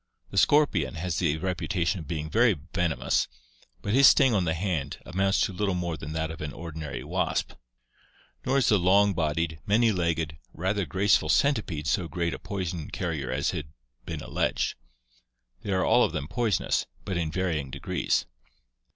The scorpion has the reputation of being very venomous; but his sting on the hand amounts to little more than that of an ordinary wasp. Nor is the long bodied, many legged, rather graceful centipede so great a poison carrier as has been alleged. They are all of them poison ous, but in varying degrees.